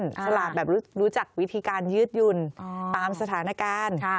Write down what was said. ฉลาดแบบรู้จักวิธีการยืดหยุ่นตามสถานการณ์